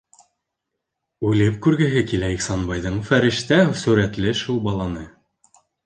Үлеп күргеһе килә Ихсанбайҙың фәрештә сүрәтле шул баланы!